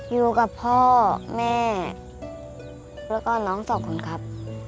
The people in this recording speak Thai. อยู่กับพ่อแม่แล้วก็น้องสองคนครับ